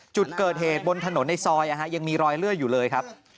จุดเกิดเหตุบนถนนในซอยยังมีรอยเลือดอยู่เลยครับ